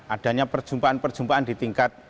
adanya perjumpaan perjumpaan di tingkat